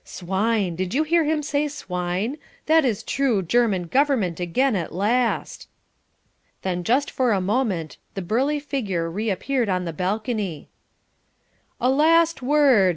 Swine! Did you hear him say 'Swine'? This is true German Government again at last." Then just for a moment the burly figure reappeared on the balcony. "A last word!"